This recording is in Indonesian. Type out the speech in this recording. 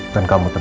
pak kop modern